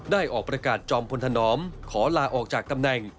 ออกประกาศจอมพลธนอมขอลาออกจากตำแหน่ง